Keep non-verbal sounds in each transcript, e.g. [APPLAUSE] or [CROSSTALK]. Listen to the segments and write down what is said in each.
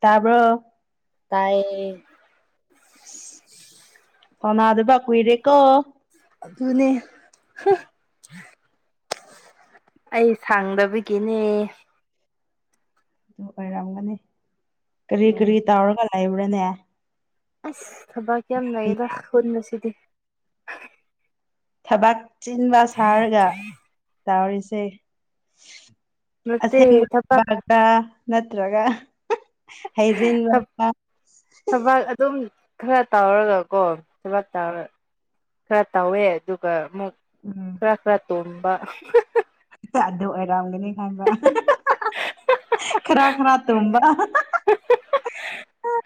ꯇꯥꯕꯔꯣ ꯇꯥꯏ ꯎꯅꯗꯕ ꯀꯨꯏꯔꯦꯀꯣ ꯑꯗꯨꯅꯦ ꯑꯩ ꯁꯥꯡꯗꯕꯒꯤꯅꯦ ꯑꯗꯨ ꯑꯣꯏꯔꯝꯒꯅꯤ ꯀꯔꯤ ꯎꯝ ꯀꯔꯤ ꯇꯧꯔꯒ ꯂꯩꯕꯔꯅꯦ ꯑꯁ ꯊꯕꯥꯛ ꯌꯥꯝ ꯂꯩꯗ ꯍꯨꯟꯕꯁꯤꯗꯤ ꯊꯕꯛ ꯆꯤꯟꯕ ꯁꯥꯔꯒ ꯇꯧꯔꯤꯁꯦ ꯅꯠꯇꯦ ꯊꯕꯛ ꯑꯁꯦꯡꯕꯒ ꯅꯠꯇ꯭ꯔꯒ ꯍꯩꯖꯤꯟꯕ ꯊꯕꯛ ꯑꯗꯨꯝ ꯈꯔ ꯇꯧꯔꯒꯀꯣ ꯊꯕꯛ ꯇꯧꯔꯒ ꯈꯔ ꯇꯧꯋꯦ ꯑꯗꯨꯒ ꯑꯃꯨꯛ [INAUDIBLE] [UNINTELLIGIBLE] [INAUDIBLE] ꯑꯗꯨ ꯑꯣꯏꯔꯝꯒꯅꯤ ꯍꯥꯏꯕ ꯈꯔ ꯈꯔ ꯇꯨꯝꯕ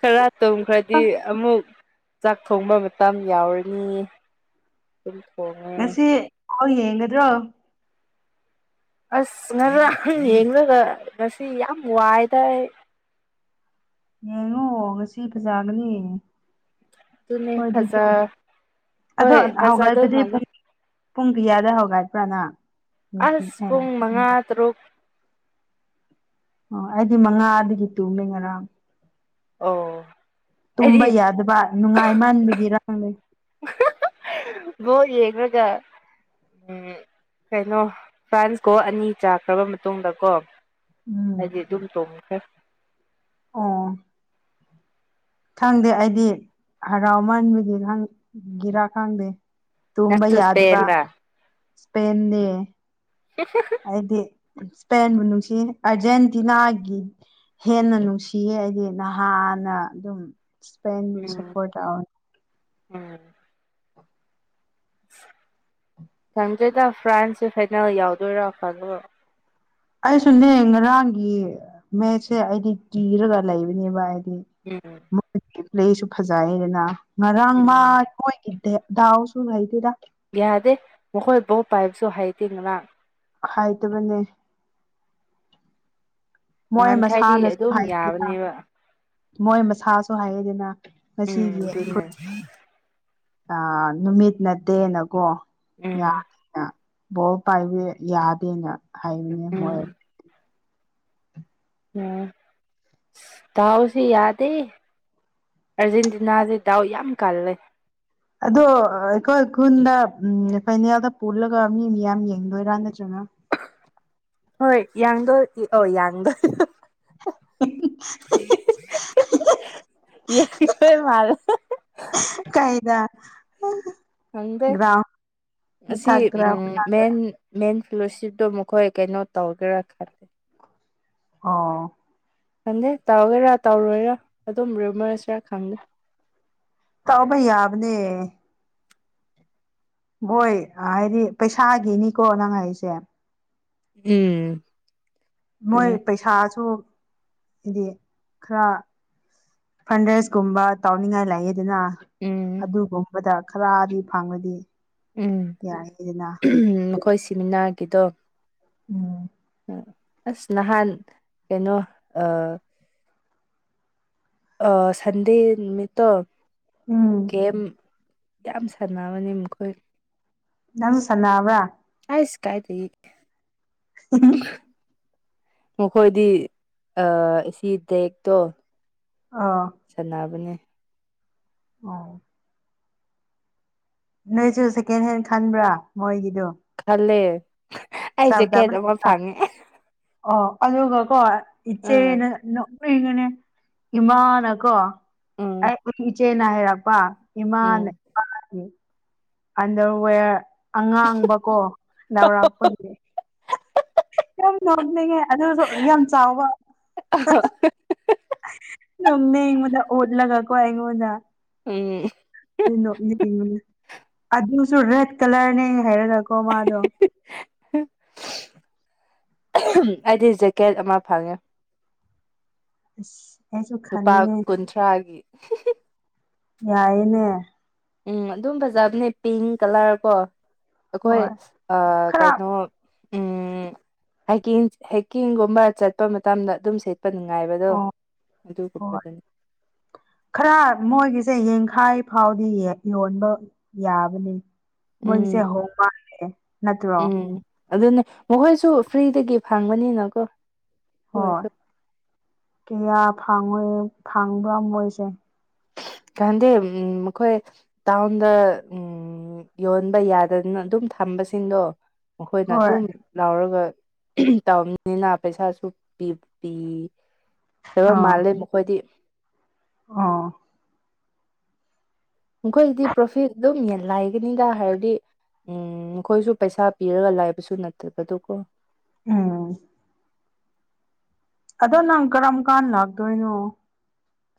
ꯈꯔ ꯇꯨꯝꯈ꯭ꯔꯗꯤ ꯑꯃꯨꯛ ꯆꯥꯛ ꯊꯣꯡꯕ ꯃꯇꯝ ꯌꯥꯎꯔꯅꯤ ꯑꯣ ꯉꯁꯤ ꯀꯣꯏ ꯌꯦꯡꯒꯗ꯭ꯔꯣ ꯑꯁ ꯉꯔꯥꯡ ꯌꯦꯡꯂꯒ ꯉꯁꯤ ꯌꯥꯝ ꯋꯥꯏꯗ ꯑꯩ ꯌꯦꯡꯉꯣ ꯑꯣ ꯉꯁꯤ ꯐꯖꯥꯒꯅꯤ ꯑꯗꯨꯅꯦ ꯍꯣꯏꯗꯤ ꯐꯖ ꯑꯗꯨꯝ ꯑꯗꯣ ꯍꯣꯏ ꯐꯖꯗꯣꯏ ꯍꯧꯒꯕꯗꯤ ꯃꯥꯜꯂꯦ ꯄꯨꯡ ꯄꯨꯡ ꯀꯌꯥꯗ ꯍꯧꯒꯕ꯭ꯔꯥꯅ ꯑꯁ ꯄꯨꯡ ꯃꯉꯥ ꯇꯔꯨꯛ ꯑꯣ ꯑꯩꯗꯤ ꯃꯉꯥꯗꯒꯤ ꯇꯨꯝꯃꯦ ꯉꯔꯥꯡ ꯑꯣ ꯑꯩꯗꯤ ꯇꯨꯝꯕ ꯌꯥꯗꯕ ꯅꯨꯡꯉꯥꯏ ꯃꯥꯟꯕꯒꯤ ꯏꯔꯥꯡ ꯂꯩ ꯕꫭꯜ ꯌꯦꯡꯉꯒ ꯎ ꯀꯩꯅꯣ ꯐ꯭ꯔꯥꯟꯁꯀꯣ ꯑꯅꯤ ꯆꯥꯈ꯭ꯔꯕ ꯃꯇꯨꯡꯗꯀꯣ ꯎꯝ ꯍꯥꯏꯗꯤ ꯇꯣ ꯐꯦ ꯑꯥ ꯈꯪꯗꯦ ꯑꯩꯗꯤ ꯍꯔꯥꯎꯃꯟꯕꯗꯤ ꯈꯪ ꯒꯤꯔꯥ ꯈꯪꯗꯦ ꯇꯨꯝꯕ ꯅꯪꯁꯨ ꯌꯥꯗꯕ ꯏꯁꯄꯦꯟꯔ ꯁꯄꯦꯟꯦ ꯍ ꯍꯥꯏꯗꯤ ꯏꯁꯄꯦꯟꯕꯨ ꯅꯨꯡꯁꯤ ꯑꯔꯖꯦꯟꯇꯤꯅꯥꯒꯤ ꯍꯦꯟꯅ ꯅꯨꯡꯁꯤꯌꯦ ꯍꯥꯏꯗꯤ ꯅꯍꯥꯟꯅ ꯑꯗꯨꯝ ꯏꯁꯄꯦꯟꯕꯨ ꯎꯝ ꯁꯄꯣꯔꯠ ꯇꯧꯅꯤ ꯎꯝ ꯈꯪꯖꯩꯗ ꯐ꯭ꯔꯥꯟꯁꯁꯦ ꯐꯥꯏꯅꯥꯜ ꯌꯥꯎꯗꯣꯏꯔꯥ ꯐꯜꯂꯣ ꯑꯩꯁꯨꯅꯦ ꯉꯔꯥꯡꯒꯤ ꯃꯦꯠꯁꯦ ꯑꯩꯗꯤ ꯀꯤꯔꯒ ꯂꯩꯕꯅꯦꯕ ꯍꯥꯏꯗꯤ ꯎꯝ ꯎꯝ ꯂꯩꯁꯨ ꯐꯖꯩꯗꯅ ꯉꯔꯥꯡ ꯎꯝ ꯃꯥꯣꯏꯒꯤ ꯗꯥꯎꯁꯨ ꯂꯩꯇꯦꯔ ꯌꯥꯗꯦ ꯃꯈꯣꯏ ꯕꯣ ꯄꯥꯏꯕꯁꯨ ꯍꯩꯇꯦ ꯉꯔꯥꯡ ꯍꯥꯏ ꯇꯕꯅꯦ ꯃꯣꯏ ꯅꯍꯥꯟꯈꯥꯏꯗꯤ ꯃꯁꯥꯅꯁꯨ ꯑꯗꯨꯝ ꯍꯥꯏꯗꯅ ꯌꯥꯕꯅꯦꯕ ꯃꯣꯏ ꯃꯁꯥꯁꯨ ꯍꯥꯏꯌꯦꯗꯅ ꯎꯝ ꯉꯁꯤꯒꯤ ꯑꯗꯨ ꯑ ꯅꯨꯃꯤꯠ ꯅꯠꯇꯦꯅꯀꯣ ꯎꯝ ꯌꯥꯗꯦꯅ ꯕꯣꯔ ꯄꯥꯏꯕ ꯌꯥꯗꯦꯅ ꯍꯥꯏꯕꯅꯦ ꯃꯣꯏ [INAUDIBLE] ꯎꯝ ꯗꯥꯎꯁꯤ ꯌꯥꯗꯦ ꯑꯔꯖꯦꯟꯇꯤꯅꯥꯁꯦ ꯗꯥꯎ ꯌꯥꯝ ꯀꯜꯂꯦ ꯑꯗꯣ ꯑꯩꯈꯣꯏ ꯈꯨꯟꯗ ꯎꯝ ꯐꯥꯏꯅꯦꯜꯗ ꯄꯨꯜꯂꯒ ꯃꯤ ꯃꯤꯌꯥꯝ ꯌꯦꯡꯗꯣꯏꯔꯥ ꯅꯠꯇ꯭ꯔꯅ ꯍꯣꯏ ꯌꯥꯡꯗꯣ ꯌꯥꯡꯗ ꯌꯦꯡꯗꯥꯏ ꯃꯂꯦ ꯀꯥꯏꯗ ꯍꯪꯗ ꯒ꯭ꯔꯥꯎꯟ ꯑꯁꯤꯁꯤ ꯃꯊꯛꯇꯔꯥ ꯎꯝ ꯃꯦꯟꯦꯟ ꯃꯦꯟ ꯐ꯭ꯂꯨꯁꯤꯞꯇꯣ ꯃꯈꯣꯏ ꯀꯩꯅꯣ ꯇꯧꯒꯦꯔꯥ ꯈꯜꯂꯤꯂꯦ ꯑꯣ ꯈꯟꯗꯦ ꯇꯧꯒꯦꯔꯥ ꯇꯧꯔꯣꯏꯔꯥ ꯑꯗꯨꯝ ꯔꯤꯃꯔꯁꯔ ꯈꯪꯗꯦ ꯇꯥꯎꯕꯩ ꯌꯥꯕꯅꯦ ꯍꯚꯣꯏ ꯍꯥꯏꯗꯤ ꯄꯩꯁꯥꯒꯤꯅꯤꯀꯣ ꯅꯪ ꯑꯩꯁꯦ ꯎꯝ ꯃꯣꯏ ꯑꯗꯨꯅꯦ ꯄꯩꯁꯥꯁꯨ ꯍꯥꯏꯗꯤ ꯈꯔ ꯐꯟꯗ꯭ꯔꯦꯁ ꯒꯨꯝꯕ ꯇꯧꯅꯤꯡꯉꯥꯏ ꯂꯥꯏ ꯑꯗꯨꯅ ꯎꯝ ꯑꯗꯨꯒꯨꯝꯕꯗ ꯈꯔꯗꯤ ꯐꯪꯕꯗꯤ ꯎꯝ ꯎ ꯃꯈꯣꯏ ꯁꯤꯃꯤꯅꯥꯔꯒꯤꯗꯣ ꯎꯝ ꯑꯁ ꯅꯍꯥꯟ ꯀꯩꯅꯣ ꯑ ꯁꯟꯗꯦ ꯃꯤꯠꯇ ꯎꯝ ꯒꯦꯝ ꯌꯥꯝ ꯁꯥꯟꯅꯕꯅꯤ ꯃꯈꯣꯏ ꯅꯪ ꯁꯅꯥꯅꯕ꯭ꯔꯥ ꯑꯥꯏꯁ ꯀꯥꯏ ꯇ ꯃꯈꯣꯏꯗꯤ ꯁꯤ ꯗꯦꯛꯇꯣ ꯑꯥ ꯁꯥꯟꯅꯕꯅꯦ ꯑꯣ ꯅꯣꯏꯁꯨ ꯁꯦꯀꯦꯟ ꯍꯦꯟ ꯈꯟꯕ꯭ꯔꯥ ꯃꯣꯏꯒꯤꯗꯣ ꯈꯜꯂꯦ ꯑꯩ ꯆꯥꯕ ꯇꯥꯕ ꯖꯦꯀꯦꯠ ꯑꯃ ꯐꯪꯉꯦ ꯑꯣ ꯑꯗꯨꯒ ꯀꯣ ꯎꯝ ꯏꯆꯦꯅ ꯅꯦ ꯏꯃꯥꯅꯀꯣ ꯎꯝ ꯑꯩ ꯏꯆꯦꯅ ꯍꯥꯏꯔꯛꯄ ꯎꯝ ꯏꯃꯥꯟ ꯑꯟꯗꯔꯋꯦꯌꯔ ꯑꯉꯥꯡꯕꯀꯣ ꯂꯧꯥꯎꯔꯥꯛꯄꯒꯤ ꯌꯥꯝ ꯅꯣꯛꯅꯤꯡꯉꯦ ꯑꯗꯨꯁꯨ ꯌꯥꯝ ꯆꯥꯎꯕ ꯁꯝꯃꯦ ꯏꯃꯗ ꯑꯣꯠꯂꯒꯀ ꯏꯃꯗꯥ ꯎꯝ ꯅꯅꯦ ꯑꯗꯨꯁꯨ ꯔꯦꯗ ꯀꯂꯔꯅꯦ ꯍꯥꯏꯔꯒꯀꯣ ꯃꯥꯗꯣ ꯑꯩꯗꯤ ꯖꯦꯛꯀꯦꯠ ꯑꯃ ꯐꯪꯉꯦ ꯑꯁ ꯑꯩꯁꯨ ꯂꯨꯄꯥ ꯈꯟꯅꯤꯡꯉꯦ ꯀꯨꯟꯊ꯭ꯔꯥꯒꯤ ꯌꯥꯏꯅꯦ ꯎꯝ ꯑꯗꯨ ꯐꯖꯕꯅꯦ ꯄꯤꯡ ꯀꯂꯔ ꯀꯣ ꯑꯩꯈꯣꯏ ꯍꯣꯏ ꯈꯔ ꯀꯩꯅꯣ ꯎꯝ ꯍꯥꯏꯀꯤꯡ ꯍꯥꯏꯀꯤꯡꯒꯨꯝꯕ ꯆꯠꯄ ꯃꯇꯝꯗ ꯑꯗꯨꯝ ꯁꯦ ꯆꯠꯄ ꯉꯥꯏꯕꯗꯣ ꯑꯣ ꯍꯣꯏ ꯑꯗꯨꯒꯨꯝꯕꯗꯨꯅꯤ ꯈꯔ ꯃꯣꯏꯒꯤꯁꯦ ꯌꯦꯡꯈꯥꯏ ꯐꯥꯎꯗꯤ ꯌꯣꯟꯕ ꯌꯥꯕꯅꯤ ꯎꯝ ꯃꯣꯏꯒꯤꯁꯦ ꯍꯣꯡ ꯃꯥꯜꯂꯦ ꯅꯠꯇ꯭ꯔꯣ ꯎꯝ ꯑꯗꯨꯅꯦ ꯃꯈꯣꯏꯁꯨ ꯐ꯭ꯔꯤꯗꯒꯤ ꯐꯪꯕꯅꯤꯅꯀꯣ ꯑꯗꯨ ꯑꯣꯏꯔꯁꯨ ꯍꯣꯏ ꯀꯌꯥ ꯐꯪꯉꯣꯏ ꯐꯪꯕꯥ ꯑꯃ ꯑꯣꯏꯣꯏꯁꯦ ꯀꯗꯦ ꯎꯝ ꯃꯈꯣꯏ ꯇꯥꯎꯟꯗ ꯎꯝ ꯎꯝ ꯌꯣꯟꯕ ꯌꯥꯗꯗꯅ ꯑꯗꯨꯝ ꯊꯝꯕꯁꯤꯡꯗꯣ ꯃꯈꯣꯏꯅ ꯍꯣꯏ ꯑꯗꯨꯝ ꯂꯧꯔꯒ ꯇꯧꯅꯤꯅꯤꯅ ꯄꯩꯁꯥꯁꯨ ꯄ ꯄꯤ ꯐꯠꯇꯕ ꯃꯥꯜꯂꯦ ꯃꯈꯣꯏꯗꯤ ꯑꯥ ꯃꯈꯣꯏꯗꯗꯤ ꯄ꯭ꯔꯣꯐꯤꯠ ꯑꯗꯨꯝ ꯌꯦꯟ ꯂꯒꯅꯤꯗ ꯍꯥꯏꯔꯗꯤ ꯎꯝ ꯃꯈꯣꯏꯁꯨ ꯄꯩꯁꯥ ꯄꯤꯔꯒ ꯂꯥꯏꯕꯁꯨ ꯅꯠꯇꯕꯗꯨꯀꯣ ꯎꯝ ꯑꯗꯣ ꯅꯪ ꯀꯔꯝ ꯀꯥꯟ ꯂꯥꯛꯇꯣꯏꯅꯣ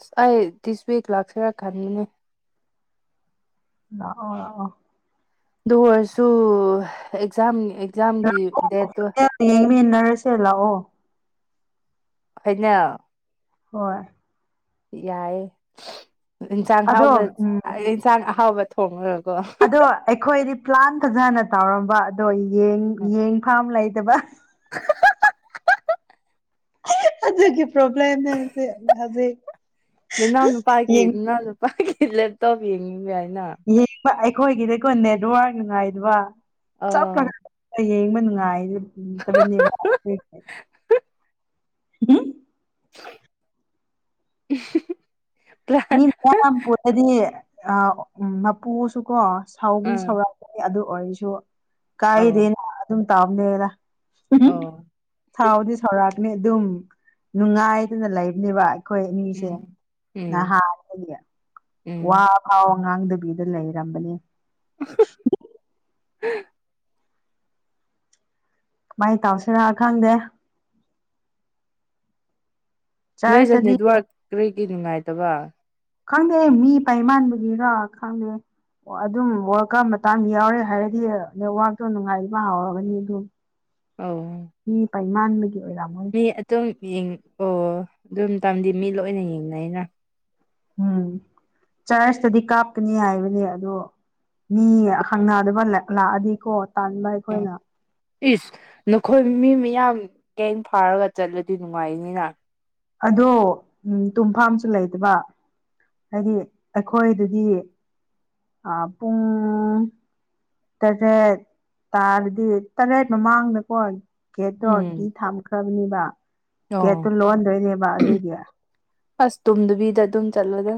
ꯑꯁ ꯑꯩ ꯗꯤꯁ ꯋꯤꯛ ꯂꯥꯛꯆꯔꯛ ꯈꯅꯤꯅꯦ ꯑꯣ ꯑꯗꯨ ꯑꯣꯏꯔꯁꯨ ꯑꯦꯛꯖꯥꯝ ꯑꯦꯛꯖꯥꯝꯒꯤ ꯗꯦꯠꯇꯣ ꯑꯦ ꯌꯦꯡꯃꯤꯟꯅꯔꯁꯦ ꯂꯥꯛꯑꯣ ꯍꯥꯏꯅ ꯍꯣꯏ ꯌꯥꯏꯌꯦ ꯏꯟꯁꯥꯡ ꯑꯗꯣ ꯍꯥꯎꯕ ꯎꯝ ꯏꯟꯁꯥꯡ ꯑꯍꯥꯎꯕ ꯊꯣꯡꯉꯨꯔꯀꯣ ꯑꯗꯣ ꯑꯩꯈꯣꯏꯗꯤ ꯄ꯭ꯂꯥꯟ ꯐꯖꯅ ꯇꯧꯔꯝꯕ ꯑꯗꯣ ꯌꯦꯡꯐꯝ ꯂꯩꯇꯕ [UNINTELLIGIBLE] ꯍꯧꯖꯤꯛꯒꯤ ꯄꯣꯕꯂꯦꯝꯂꯦꯝꯁꯦ ꯍꯧꯖꯤꯛ ꯅꯅꯥꯎ ꯅꯨꯄꯥꯒꯤ ꯌꯦꯡ ꯅꯅꯥꯎ ꯅꯨꯄꯥꯒꯤ ꯂꯦꯞꯇꯧꯧꯕ ꯌꯦꯡꯅꯤꯡꯕꯦ ꯍꯥꯏꯅ ꯌꯦꯡꯕ ꯑꯩꯈꯣꯏꯒꯤꯗꯀꯣ ꯅꯦꯠꯋꯥꯔꯛ ꯅꯨꯡꯉꯥꯏꯗꯕꯞꯥ ꯑꯥ ꯌꯦꯡꯕ ꯅꯨꯡꯉꯥꯏꯇꯕꯅꯦꯕ ꯒꯤ ꯄ꯭ꯂ ꯃꯤ ꯃꯌꯥꯝ ꯄꯨꯔꯗꯤ ꯑ ꯎ ꯃꯄꯨꯁꯨ ꯀꯣ ꯁꯥꯎꯕꯤ ꯑꯥ ꯁꯧꯔꯛꯄꯅꯤ ꯑꯗꯨ ꯑꯣꯏꯔꯁꯨ ꯑꯧ ꯀꯥꯏꯗꯦꯅ ꯑꯗꯨꯝ ꯇꯧꯕꯅꯦꯅ ꯑꯧ ꯊꯥꯎꯗꯤ ꯁꯧꯔꯥꯛꯅꯤ ꯑꯗꯨꯝ ꯅꯨꯡꯉꯥꯏꯗꯅ ꯂꯩꯕꯅꯦꯕ ꯑꯩꯈꯣꯏ ꯑꯅꯤꯁꯦ ꯎꯝ ꯎꯝ ꯅꯍꯥꯟ ꯋꯥ ꯎꯝ ꯐꯥꯎ ꯉꯥꯡꯗꯕꯤꯗ ꯂꯩꯔꯝꯕꯅꯦ ꯍ ꯀꯃꯥꯏꯅ ꯇꯧꯁꯤꯔ ꯈꯪꯗꯦ ꯅꯣꯏꯁꯦ ꯆꯔꯆꯇꯗꯤ ꯅꯦꯠꯋꯥꯔꯛ ꯀꯔꯤ ꯀꯔꯤ ꯅꯨꯡꯉꯥꯏꯇꯕ ꯈꯪꯗꯦ ꯃꯤ ꯄꯥꯏꯃꯥꯟꯕꯒꯤꯔ ꯈꯪꯗꯦ ꯑꯣ ꯑꯗꯨꯝ ꯋꯥꯔꯀ ꯃꯇꯥꯡ ꯌꯥꯎꯔꯦ ꯍꯥꯏꯔꯗꯤ ꯅꯦꯠꯋꯥꯛꯇꯣ ꯅꯨꯡꯉꯥꯏꯕ ꯍꯧꯥꯎꯔꯒꯅꯤ ꯑꯗꯨ [UNINTELLIGIBLE] ꯑ ꯃꯤ ꯄꯥꯏꯃꯥꯟꯕꯒꯤ ꯑꯣꯏꯔꯝꯃ ꯃꯤ ꯑꯗꯨꯝꯡ ꯑꯣ ꯑꯗꯨꯝ ꯇꯝꯗꯤ ꯃꯤ ꯂꯣꯏꯅ ꯌꯦꯡꯅꯩꯩꯅ ꯎꯝ ꯆꯔꯖꯇꯗꯤ ꯀꯥꯞꯀꯅꯤ ꯍꯥꯏꯕꯅꯦ ꯑꯗ ꯃꯤ ꯍꯪꯅꯗꯨꯕ ꯂꯥꯛꯑꯗꯤꯀꯣ ꯇꯥꯟꯕ ꯎꯝ ꯑꯩꯈꯣꯏꯅ ꯏꯁ ꯅꯈꯣꯏ ꯃꯤ ꯃꯌꯥꯝ ꯀꯌꯦ ꯐꯥꯔꯒ ꯆꯠꯂꯨꯗꯤ ꯅꯨꯡꯉꯥꯏꯅꯤꯅ ꯑꯗꯣ ꯎꯝ ꯇꯨꯝꯐꯥꯝꯁꯨ ꯂꯩꯗꯕ ꯍꯥꯏꯗꯤ ꯑꯩꯈꯣꯏꯗꯨꯗꯤ ꯄꯨꯡ ꯇꯔꯦꯠ ꯇꯥꯔꯗꯤ ꯇꯔꯦꯠ ꯃꯃꯥꯡꯗꯀꯣ ꯒꯦꯠꯇꯣꯤ ꯎꯝ ꯊꯝꯈ꯭ꯔꯕꯅꯤꯕ ꯑꯣ ꯒꯦꯠꯇꯨ ꯂꯣꯟꯟꯗꯣꯏꯅꯦꯕ ꯑꯗꯨꯒꯤ ꯑꯁ ꯇꯨꯝꯗꯨꯕꯤꯗ ꯑꯗꯨꯝ ꯆꯠꯂꯒ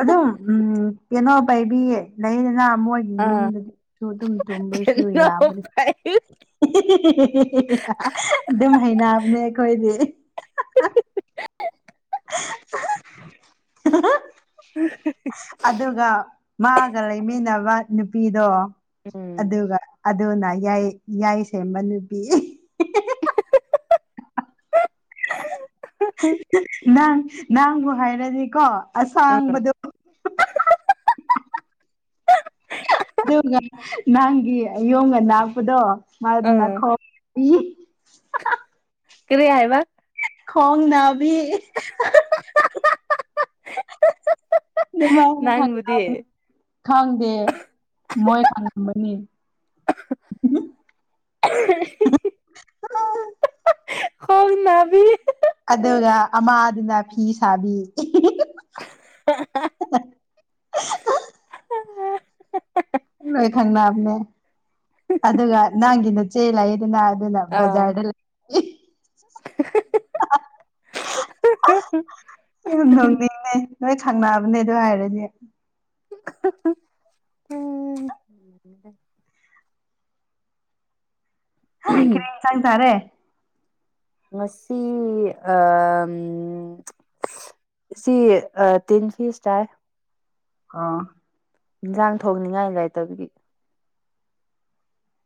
ꯑꯗꯨꯝ ꯎꯝ ꯀꯩꯅꯣ ꯄꯥꯏꯕꯤ ꯂꯩꯗꯅ ꯃꯣꯏ ꯑꯥ ꯌꯨꯝꯗꯗꯤꯁꯨ ꯑꯗꯨꯝ ꯇꯣꯝꯕꯁꯨ ꯀꯩꯅꯣ ꯌꯥꯕꯅꯤ ꯐꯥꯏ ꯑꯗꯨꯝ ꯍꯕꯅꯦ ꯑꯩꯈꯣꯏꯗꯤ [UNINTELLIGIBLE] ꯑꯗꯨꯒ ꯃꯥꯒ ꯂꯩꯃꯤꯟꯅꯕ ꯅꯨꯄꯤꯗꯣ ꯎꯝ ꯑꯗꯨꯒ ꯑꯗꯨꯅ ꯌꯥꯏ- ꯌꯥꯏꯁꯦꯃꯕ ꯅꯨꯨꯄꯤ ꯅꯪ ꯅꯪꯕꯨ ꯍꯥꯏꯔꯗꯤꯀꯣ ꯑꯥ ꯑꯁꯥꯡꯕꯗꯣ [UNINTELLIGIBLE] ꯑꯗꯨꯒ ꯅꯪꯒꯤ ꯑꯌꯣꯒ ꯅꯥꯛꯄꯗꯣ ꯃꯥ ꯅꯥ ꯑꯥ ꯈꯣꯡꯄꯤ ꯀꯔꯤ ꯍꯥꯏꯕ ꯈꯣꯡ ꯅꯕꯤ ꯅꯪꯕꯨꯗꯤ [UNINTELLIGIBLE] ꯈꯪꯗꯦ ꯃꯣꯏ ꯈꯪꯉꯝꯕꯅꯤ [UNINTELLIGIBLE] [UNINTELLIGIBLE] ꯍꯛ ꯅꯅꯥꯕꯤ ꯑꯗꯨꯒ ꯑꯃꯥꯗꯨꯅ ꯐꯤ ꯁꯥꯕꯤ [UNINTELLIGIBLE] ꯂꯣꯏ ꯈꯪꯅꯕꯅꯦ ꯑꯗꯨꯒ ꯅꯪꯒꯤꯅ ꯆꯦ ꯂꯥꯛꯏꯗꯅ ꯑꯥ ꯖꯥꯔꯗ ꯂꯩ [INAUDIBLE] ꯌꯥꯝ ꯅꯧꯅꯤꯡꯅꯦ ꯅꯣꯏ ꯈꯪꯅꯕꯅꯦ ꯑꯗꯨ ꯍꯥꯏꯔꯅꯦ ꯑꯎ ꯀꯔꯤ ꯍꯦꯟꯁꯥꯡ ꯆꯥꯔꯦ ꯃꯁꯤ ꯑ ꯁꯤ ꯇꯤꯟ ꯐꯤꯁ ꯆꯥꯏ ꯑꯥ ꯏꯟꯖꯥꯡ ꯊꯣꯡꯅꯤꯡꯉꯥꯏ ꯂꯩꯥꯏꯇꯕꯒꯤ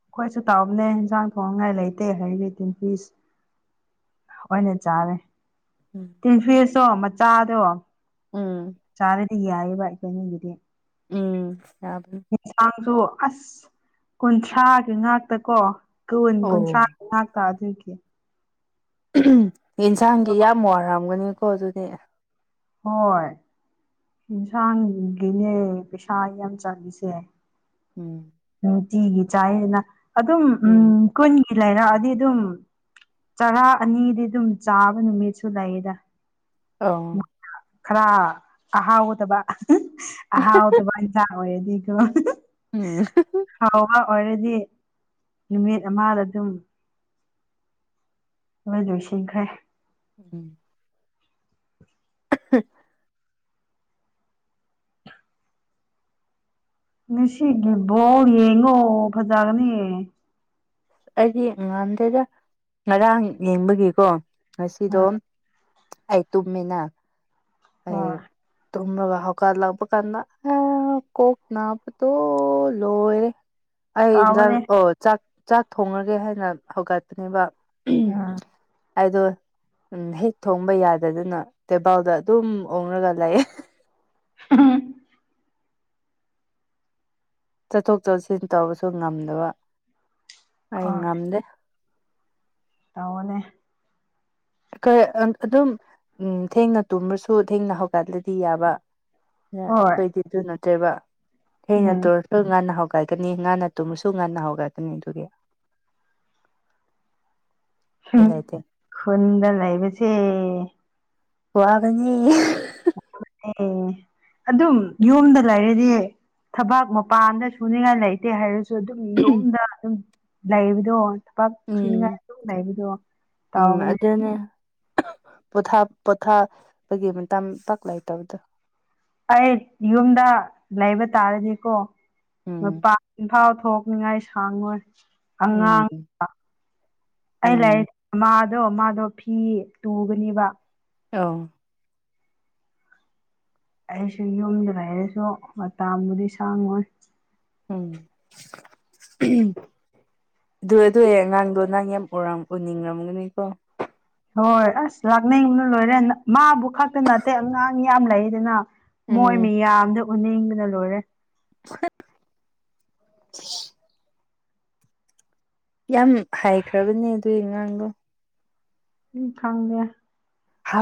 ꯑꯩꯈꯣꯏꯁꯨ ꯇꯧꯕꯅꯦ ꯏꯟꯖꯥꯡ ꯊꯣꯡꯅꯤꯉꯥꯏ ꯂꯩꯇꯦ ꯍꯥꯏꯔꯗꯤ ꯇꯤꯟ ꯄꯤꯁ ꯍꯣꯏꯅꯦ ꯆꯥꯔꯦ ꯎꯝ ꯇꯤꯐꯦꯁꯇꯣ ꯃꯆꯥꯗꯣ ꯎꯝ ꯆꯥꯗꯗꯤ ꯌꯥꯏꯌꯦꯕ ꯏꯈꯣꯏꯅꯤꯒꯤꯗꯤ ꯎꯝ ꯌꯥꯕ ꯌꯦꯟꯁꯥꯡꯁꯨ ꯑꯁ ꯀꯨꯟꯊ꯭ꯔꯥꯒꯤ ꯉꯥꯛꯇ ꯀꯣ ꯀꯨꯟ ꯀꯨꯟꯊ꯭ꯔꯥ ꯑꯣ ꯉ ꯀꯥ ꯑꯗꯨꯣꯏꯒꯤ ꯌꯦꯟꯁꯥꯡꯒꯤ ꯌꯥꯝ ꯋꯥꯔꯝꯒꯅꯤꯀꯣ ꯑꯗꯨꯗꯤ ꯍꯣꯏ ꯑꯦꯟꯁꯥꯡꯒꯤꯅꯦ ꯄꯩꯁꯥ ꯌꯥꯝ ꯆꯥꯂꯤꯁꯦ ꯎꯝ ꯎꯝ ꯇꯤꯒꯤ ꯆꯥꯏꯅ ꯑꯗꯨꯝ ꯎꯝ ꯀꯨꯟꯒꯤ ꯂꯩꯔꯛꯑꯗꯤ ꯑꯗꯨꯝ ꯆꯔꯥ ꯑꯅꯤꯗꯤ ꯑꯗꯨꯝ ꯆꯥꯕ ꯅꯨꯃꯤꯠꯁꯨ ꯂꯩꯗ ꯑꯥꯎ ꯈꯔ ꯑꯍꯥꯎꯗꯕ ꯑꯍꯥꯎꯗꯕꯟꯁꯥꯡ ꯑꯣꯔꯗꯤ ꯀꯣ ꯎꯝ ꯍꯥꯎꯕ ꯑꯣꯏꯔꯗꯤ ꯅꯨꯃꯤꯠ ꯑꯃꯗ ꯑꯗꯨꯝ ꯂꯣꯏ ꯂꯣꯏꯁꯤꯈ꯭ꯔꯦ ꯎꯝ inaudible ꯉꯁꯤꯒꯤ ꯕꯣꯜ ꯌꯦꯡꯉꯣ ꯐꯖꯒꯅꯤ ꯑꯩꯗꯤ ꯉꯥꯟꯗꯦꯗ ꯉꯔꯥꯡ ꯌꯦꯡꯕꯒꯤꯀꯣ ꯉꯁꯤꯗꯣ ꯑꯩ ꯇꯃꯤꯅꯥ ꯑꯩ ꯍꯣꯏ ꯇꯨꯝ ꯍ ꯀꯥꯗ ꯂꯥꯛꯄ ꯀꯥꯟꯗ ꯀꯣꯛꯅꯄ ꯇ ꯂꯣꯏꯔꯦ [UNINTELLIGIBLE] ꯑꯩ ꯏꯟꯖꯥꯡ ꯑꯣ ꯆꯥꯛ ꯆꯥꯛ ꯊꯣꯡꯉꯒꯦ ꯍꯥꯏꯅ ꯍꯧꯒꯠꯄꯅꯦꯕ ꯑ ꯑꯩꯗꯣ ꯎ ꯍꯦꯛ ꯊꯣꯡꯕ ꯌꯥꯗꯗꯅ ꯇꯦꯕꯥꯜꯗ ꯑꯗꯨꯝ ꯑꯣꯉꯒ ꯂꯩꯑ ꯎꯝ ꯆꯠꯊꯣꯛ ꯆꯠꯁꯤꯟ ꯇꯧꯕꯁꯨ ꯉꯝꯗꯕ ꯑꯩ ꯉꯝꯗꯦ ꯇꯧꯅꯦꯦ ꯑꯗꯨꯝ ꯎꯝ ꯊꯦꯡꯅ ꯇꯨꯝꯃꯁꯨ ꯊꯦꯡꯅ ꯍꯧꯒꯠꯂꯗꯤ ꯌꯥꯕ ꯍꯣꯏ ꯀꯩꯗꯤ ꯑꯗꯨ ꯅꯠꯇ꯭ꯔꯦꯕ ꯍꯦꯡ ꯎꯝ ꯅꯠꯇꯣꯔ ꯍꯣꯏ ꯉꯥꯟꯟꯅ ꯍꯧꯒꯠꯒꯅꯤ ꯉꯥꯅ ꯇꯨꯝꯃꯁꯨ ꯉꯟꯅ ꯍꯧꯒꯠꯀꯅꯤ ꯑꯗꯨꯒꯤ ꯎꯄꯥꯏ ꯂꯩꯇꯦ ꯈꯨꯨꯟꯗ ꯂꯕꯁ ꯄꯋꯥꯕꯅꯤ ꯑꯣꯝ ꯑꯗꯨꯝ ꯌꯨꯝꯗ ꯂꯩꯔꯗꯤ ꯊꯕꯛ ꯃꯄꯥꯟꯗ ꯁꯨꯅꯤꯡꯉꯥꯏ ꯂꯩ ꯅꯠꯇꯦ ꯍꯥꯏꯔꯁꯨ ꯑꯗꯨꯝ ꯌꯣꯝꯗ ꯑꯗꯨꯝ ꯂꯩꯕꯗꯣ ꯄꯥꯛ ꯁꯨꯅꯤꯡꯉꯥꯏ ꯎꯝ ꯑꯗꯨ ꯂꯩꯕꯗꯣ ꯇꯥꯎꯕꯅꯦ [UNINTELLIGIBLE] ꯄꯣꯊꯥ ꯄꯣꯊꯥ ꯀꯒꯤ ꯃꯇꯥꯡ ꯄꯥꯛ ꯂꯩꯇꯕꯗꯣ ꯑꯩ ꯌꯨꯝꯗ ꯂꯩꯕ ꯇꯥꯔꯗꯤꯀꯣ ꯎꯝ ꯃꯄꯥꯟ ꯐꯥꯎ ꯊꯣꯛ ꯥꯛꯅꯤꯡꯉꯥꯏ ꯁꯥꯡꯉꯣꯏ ꯎꯝ ꯑꯉꯥꯡ ꯑꯩ ꯎꯝ ꯂꯥꯏꯔꯤꯛ ꯃꯥꯗꯣ ꯃꯥꯗꯣ ꯐꯤ ꯇꯨꯒꯅꯦꯕ ꯑ ꯑꯩꯁꯨ ꯌꯨꯝꯗ ꯂꯩꯔꯁꯨ ꯃꯇꯥꯕꯨꯗꯤ ꯁꯥꯡꯉꯣꯏ ꯎꯝ ꯑꯗꯨ ꯑꯗꯨ ꯑꯉꯥꯡꯗꯣ ꯅꯍꯪ ꯌꯥꯝ ꯎꯔ ꯎꯅꯤꯡꯔꯝꯒꯅꯤꯀꯣ ꯍꯣꯏ ꯑꯁ ꯂꯥꯛꯅꯤꯡꯕꯅ ꯂꯣꯏꯔꯦ ꯃꯥꯕꯨ ꯈꯛꯇ ꯅꯠꯇꯦ ꯑꯉꯥꯡ ꯌꯥꯝ ꯂꯩꯗꯅ ꯎꯝ ꯃꯣꯏ ꯃꯤꯌꯥꯝꯗ ꯎꯅꯤꯡꯗꯅ ꯂꯣꯏꯔꯦ ꯌꯥꯝ ꯍꯥꯏꯈ꯭ꯔꯕꯅꯦ ꯑꯗꯨꯒꯤ ꯑꯉꯥꯡꯗꯣ ꯍ ꯈꯪꯒꯦ ꯍꯥ